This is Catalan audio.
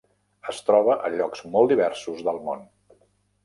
Es troba a llocs molt diversos del món.